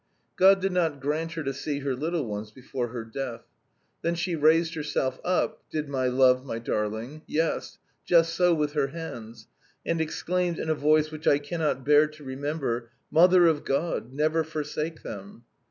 God did not grant her to see her little ones before her death. Then she raised herself up did my love, my darling yes, just so with her hands, and exclaimed in a voice which I cannot bear to remember, 'Mother of God, never forsake them!